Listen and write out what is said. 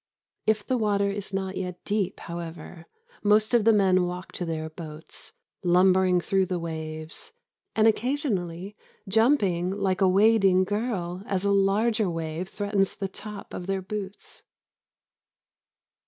If the water is not yet deep, however, most of the men walk to their boats, lumbering through the waves, and occasionally jumping like a wading girl as a larger wave threatens the tops of their boots.